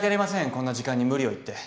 こんな時間に無理を言って。